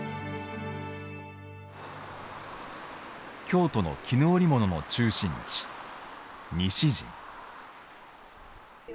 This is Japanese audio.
京都の絹織物の中心地、西陣。